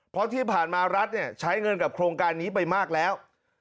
เพราะที่ผ่านมารัฐใช้เงินกับโครงการนี้ไปมากแล้ว